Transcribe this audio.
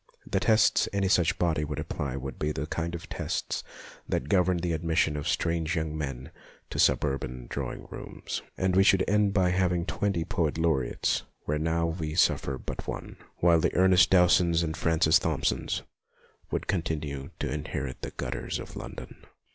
The tests any such body would apply would be the kind of tests that govern the admission of strange young men to suburban drawing rooms, and we should end by having twenty poet laureates where now we suffer but one, while the Ernest Dowsons and Francis Thompsons would continue to inherit the gutters of London.